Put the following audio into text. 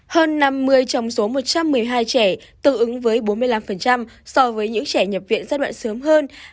hơn năm mươi trong số một trăm một mươi hai trẻ tương ứng với bốn mươi năm so với những trẻ nhập viện giai đoạn sớm hơn